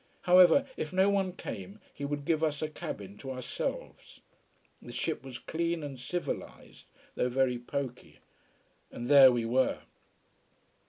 However, if no one came, he would give us a cabin to ourselves. The ship was clean and civilised, though very poky. And there we were.